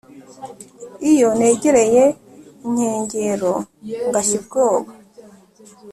Iyo negerey’ inkengero ngashy’ ubwoba,